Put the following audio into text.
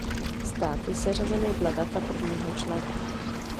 Státy seřazeny dle data prvního člena.